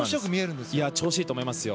調子がいいと思いますよ。